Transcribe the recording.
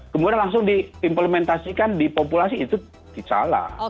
kemudian langsung diimplementasikan di populasi itu salah